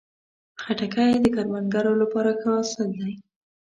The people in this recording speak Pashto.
خټکی د کروندګرو لپاره ښه حاصل دی.